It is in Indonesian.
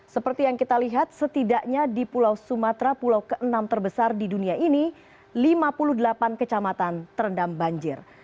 seperti yang kita lihat setidaknya di pulau sumatera pulau ke enam terbesar di dunia ini lima puluh delapan kecamatan terendam banjir